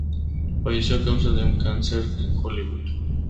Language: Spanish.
Falleció a causa de un cáncer en Hollywood.